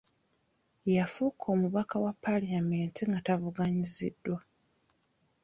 Yafuuka omubaka wa paalamenti nga tavuganyiziddwa.